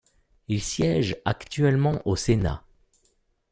Il siège actuellement au Sénat.